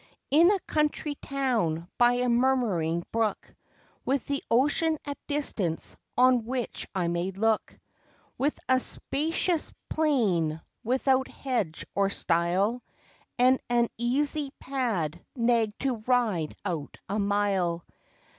In a country town, by a murmuring brook, With the ocean at distance on which I may look; With a spacious plain, without hedge or stile, And an easy pad nag to ride out a mile.